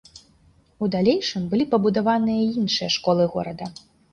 У далейшым былі пабудаваныя іншыя школы горада.